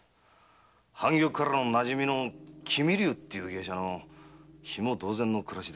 半玉からのなじみの君竜って芸者のヒモ同然の暮らしです。